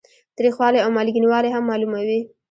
تریخوالی او مالګینوالی هم معلوموي.